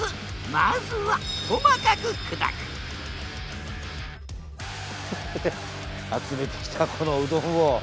まずは細かく砕く集めてきたこのうどんを。